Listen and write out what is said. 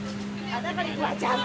ada kali dua jam